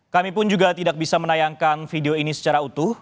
kami pun juga tidak bisa menayangkan video ini secara utuh